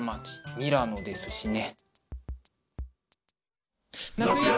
ミラノですしね。